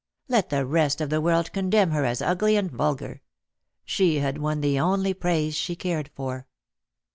Let the rest of the world con demn her as ugly and vulgar. She had won the only praise she cared for.